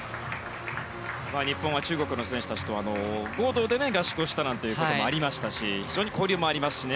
日本は中国の選手たちと合同で合宿したこともありましたし非常に交流もあります。